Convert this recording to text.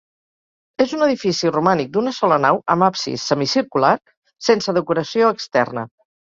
És un edifici romànic d'una sola nau amb absis semicircular sense decoració externa.